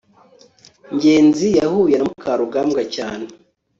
ngenzi yahuye na mukarugambwa cyane